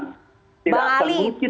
tidak terbukti satu peraturan di menteri itu